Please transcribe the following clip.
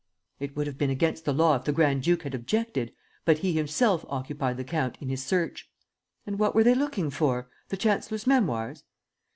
"It would have been against the law if the grand duke had objected; but he himself accompanied the count in his search." "And what were they looking for? The chancellor's memoirs?"